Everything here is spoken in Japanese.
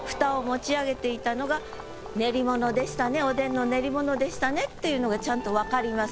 こうやるとおでんの練り物でしたねっていうのがちゃんと分かります。